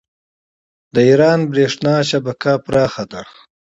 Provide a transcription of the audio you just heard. د ایران بریښنا شبکه پراخه ده.